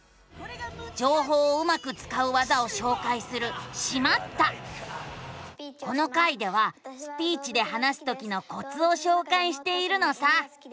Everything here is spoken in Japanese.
じょうほうをうまくつかう技をしょうかいするこの回ではスピーチで話すときのコツをしょうかいしているのさ。